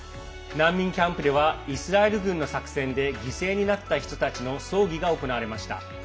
難民キャンプではイスラエル軍の作戦で犠牲になった人たちの葬儀が行われました。